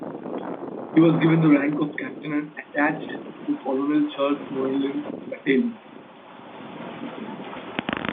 He was given the rank of captain and attached to Colonel Charles Munnerlyn's Battalion.